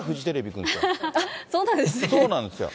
そうなんですね。